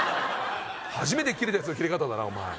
初めてキレたやつのキレ方だなお前